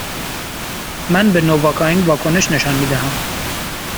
من به نواکائین واکنش نشان می دهم.